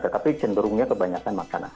tetapi cenderungnya kebanyakan makanan